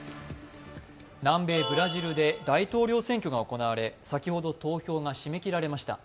南米ブラジルで大統領選挙が行われ先ほど投票が締め切られました。